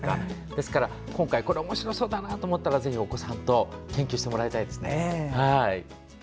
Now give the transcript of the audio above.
ですから、今回これおもしろそうだなと思ったらぜひ、お子さんと研究してもらいたいですね。